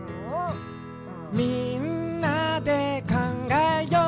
「みんなでかんがえよう」